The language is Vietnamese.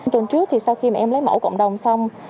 tuần trước thì sau khi mà em lấy mẫu cộng đồng xong